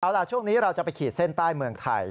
เอาล่ะช่วงนี้เราจะไปขีดเส้นใต้เมืองไทย